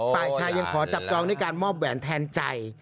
ฝ่ายชายยังขอจับจองด้วยการมอบแหวนแทนใจ